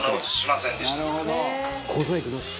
中丸：小細工なし。